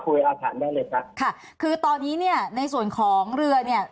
คุยอาฐานได้เลยค่ะค่ะคือตอนนี้เนี้ยในส่วนของเรือเนี้ย